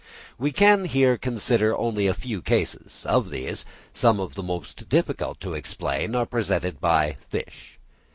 We can here consider only a few cases; of these, some of the most difficult to explain are presented by fish.